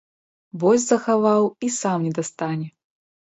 Вось захаваў і сам не дастане!